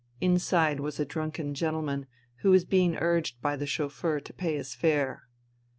Inside was a drunken gentleman who was being urged by the chauffeur to pay his fare.